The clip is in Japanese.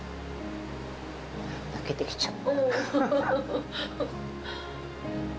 泣けてきちゃった。